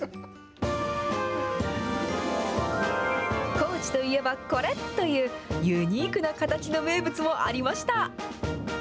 高知といえばこれ！という、ユニークな形の名物もありました。